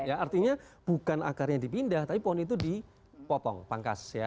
artinya bukan akarnya dipindah tapi pohon itu dipotong pangkas ya